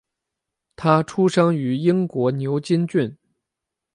他出生于英国牛津郡。